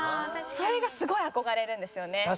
それがすごい憧れるんですよね。